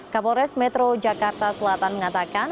kapolres metro jakarta selatan mengatakan